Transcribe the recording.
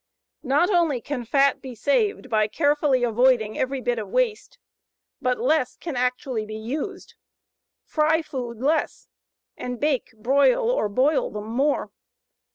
Not only can fat be saved by carefully avoiding every bit of waste, but less can actually be used. FRY FOOD LESS, AND BAKE, BROIL, OR BOIL THEM MORE.